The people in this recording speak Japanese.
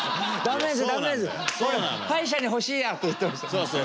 歯医者に欲しいや」って言ってました。